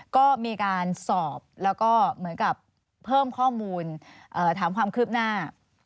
ก็มีการสอบแล้วก็เหมือนกับเพิ่มข้อมูลถามความคืบหน้า